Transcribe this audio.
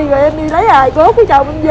rồi em đi lấy ài cốt của chồng em về